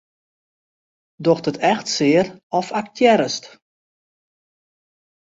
Docht it echt sear of aktearrest?